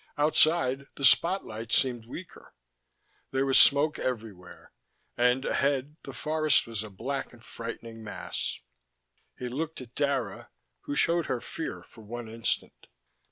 Outside, the spot lights seemed weaker. There was smoke everywhere, and ahead the forest was a black and frightening mass. He looked at Dara, who showed her fear for one instant.